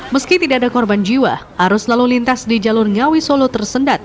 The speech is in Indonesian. meski tidak ada korban jiwa arus lalu lintas di jalur ngawi solo tersendat